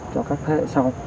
cho các thế hệ sau